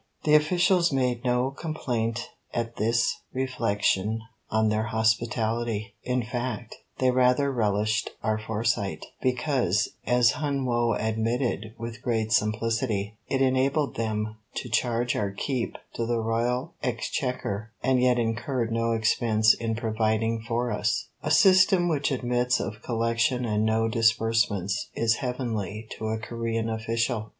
The officials made no complaint at this reflection on their hospitality; in fact, they rather relished our foresight, because, as Hun Woe admitted with great simplicity, it enabled them to charge our keep to the royal exchequer and yet incur no expense in providing for us. A system which admits of collection and no disbursements is heavenly to a Corean official.